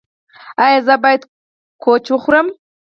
ایا زه باید کوچ وخورم؟